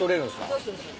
そうそうそう。